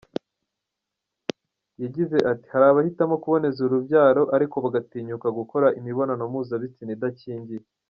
Yagize ati “Hari abahitamo kuboneza urubyaro, ariko bagatinyuka gukora imibonano mpuzabitsina idakingiye.